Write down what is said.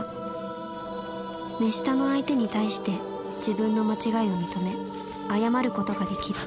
目下の相手に対して自分の間違いを認め謝ることができる。